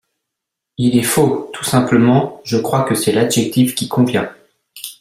Il est faux, tout simplement, je crois que c’est l’adjectif qui convient.